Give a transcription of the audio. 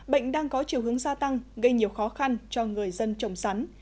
bệnh đang có chiều hướng gia tăng gây nhiều khó khăn cho người dân trồng sắn